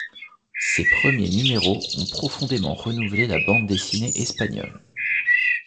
Ses premiers numéros ont profondément renouvelé la bande dessinée espagnole.